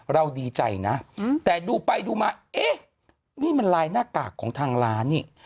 เราดีใจนะแต่ดูไปดูมาเอ๊ะนี่มันลายหน้ากากของทางร้านนี่